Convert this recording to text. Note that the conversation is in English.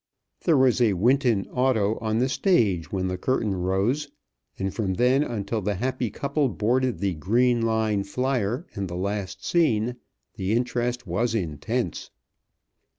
There was a Winton Auto on the stage when the curtain rose, and from then until the happy couple boarded the Green Line Flyer in the last scene the interest was intense.